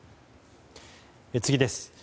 次です。